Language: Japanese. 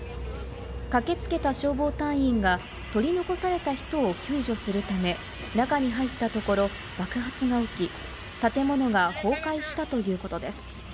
駆けつけた消防隊員が取り残された人を救助するため、中に入ったところ、爆発が起き、建物が崩壊したということです。